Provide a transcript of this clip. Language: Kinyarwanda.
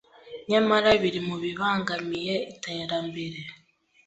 nyamara biri mu bibangamiye iterambere